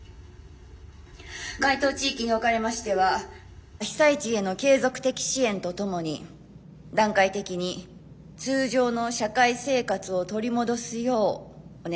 該当地域におかれましては被災地への継続的支援とともに段階的に通常の社会生活を取り戻すようお願いいたします。